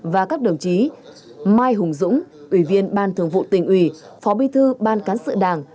và các đồng chí mai hùng dũng ủy viên ban thường vụ tỉnh ủy phó bi thư ban cán sự đảng